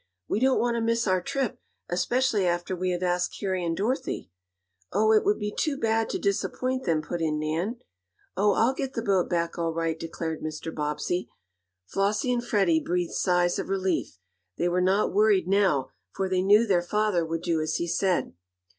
"We don't want to miss our trip, especially after we have asked Harry and Dorothy." "Oh, it would be too bad to disappoint them," put in Nan. "Oh, I'll get the boat back all right," declared Mr. Bobbsey. Flossie and Freddie breathed sighs of relief. They were not worried now, for they knew their father would do as he said.